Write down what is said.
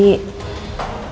soal makam menendi